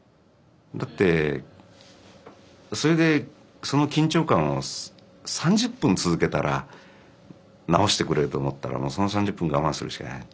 だってそれでその緊張感を３０分続けたら直してくれると思ったらもうその３０分我慢するしかない。